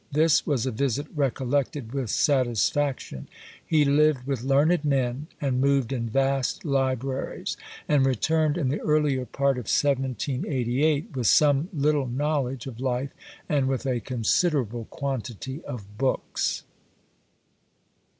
This was a visit recollected with satisfaction. He lived with learned men and moved in vast libraries, and returned in the earlier part of 1788, with some little knowledge of life, and with a considerable quantity of books.